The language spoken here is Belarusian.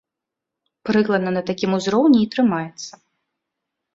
Прыкладна на такім узроўні і трымаецца.